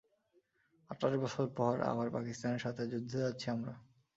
আটাশ বছর পর, আবার পাকিস্তানের সাথে যুদ্ধে যাচ্ছি আমরা।